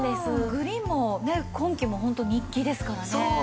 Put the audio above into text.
グリーンもね今季もホント人気ですからね。